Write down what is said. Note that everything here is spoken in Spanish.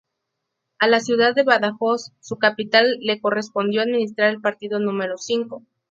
A la ciudad de Badajoz, su capital, le correspondió administrar el partido número cinco.